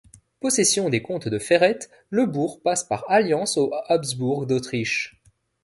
Possession des comtes de Ferrette, le bourg passe par alliance aux Habsbourg d'Autriche.